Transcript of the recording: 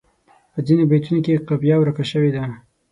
په ځینو بیتونو کې قافیه ورکه شوې ده.